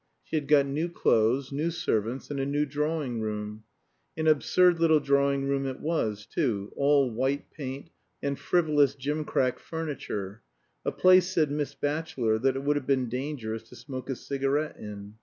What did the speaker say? She had got new clothes, new servants, and a new drawing room. An absurd little drawing room it was, too all white paint, muslin draperies, and frivolous gim crack furniture. A place, said Miss Batchelor, that it would have been dangerous to smoke a cigarette in.